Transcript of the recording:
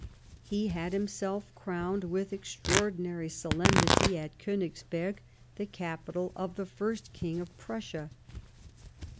He had himself crowned, with extraordinary solemnity, at Konigsberg, the capital of the first King of Prussia.